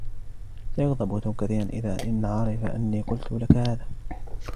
سيغضب توم كثيرًا إن عرف أنّي قلتُ لكَ هذا.